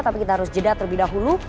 tapi kita harus jeda terlebih dahulu